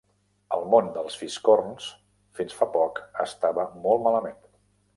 El món dels fiscorns fins fa poc estava molt malament.